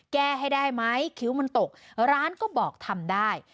แก้ให้ได้ไหมคิ้วมันตกร้านก็บอกทำได้